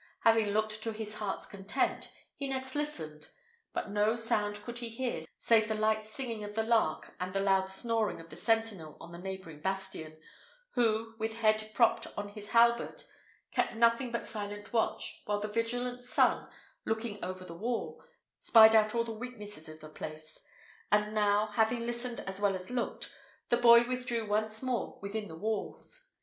Having looked to his heart's content, he next listened; but no sound could he hear save the light singing of the lark and the loud snoring of the sentinel on the neighbouring bastion, who, with head propped on his halberd, kept anything but silent watch, while the vigilant sun, looking over the wall, spied out all the weaknesses of the place; and now, having listened as well as looked, the boy withdrew once more within the walls.